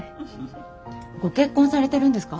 ご結婚されてるんですか？